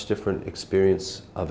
tìm ra những